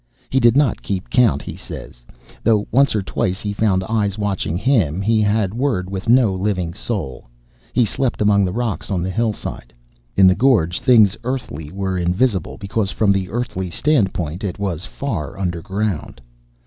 He did not keep count, he says. Though once or twice he found eyes watching him, he had word with no living soul. He slept among the rocks on the hillside. In the gorge things earthly were invisible, because, from the earthly standpoint, it was far underground.